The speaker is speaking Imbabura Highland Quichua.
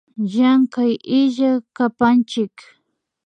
Llankay illak yapachik